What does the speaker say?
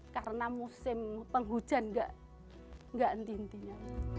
karena musim penghujan enggak enggak nanti antinya